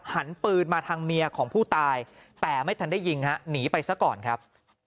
หันปืนมาทางเมียของผู้ตายแต่ไม่ทันได้ยิงฮะหนีไปซะก่อนครับ